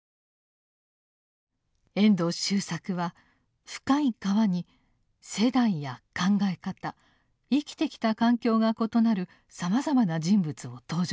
遠藤周作は「深い河」に世代や考え方生きてきた環境が異なるさまざまな人物を登場させます。